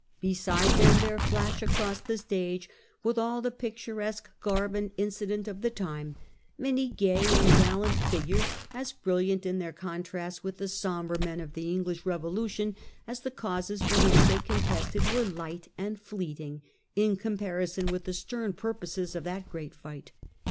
Beside them there flash across the stage, with all the picturesque garb and incident of the time, many gay and gallant figures, as brilliant in their contrast with the sombre men of the English revolution as the causes for which they contested were light and fleeting in comparison with the stern purposes of that great fight.